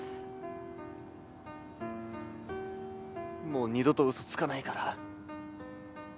もう二度と嘘つかないから。